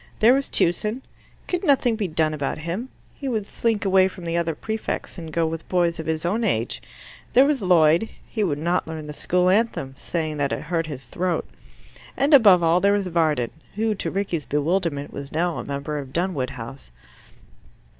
There was Tewson; could nothing be done about him? He would slink away from the other prefects and go with boys of his own age. There was Lloyd: he would not learn the school anthem, saying that it hurt his throat. And above all there was Varden, who, to Rickie's bewilderment, was now a member of Dunwood House.